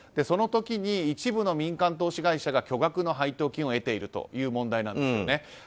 その時に一部の民間投資会社が巨額の配当金を得ているという問題なんですね。